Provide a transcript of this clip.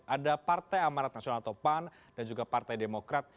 ada partai amarat nasional atau pan dan juga partai demokrat